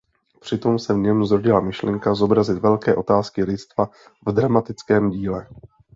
Přitom se v něm zrodila myšlenka zobrazit velké otázky lidstva v dramatickém díle.